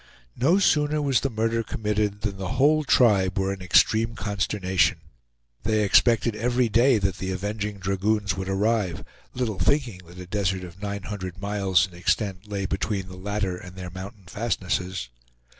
No sooner was the murder committed than the whole tribe were in extreme consternation. They expected every day that the avenging dragoons would arrive, little thinking that a desert of nine hundred miles in extent lay between the latter and their mountain fastnesses.